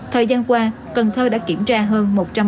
thời gian qua cần thơ đã kiểm tra hơn